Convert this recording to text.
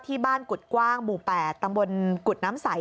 ที่บ้านกุดกว้างบลูย๘ตามวนกุดน้ำสาย